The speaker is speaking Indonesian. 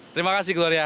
terima kasih gloria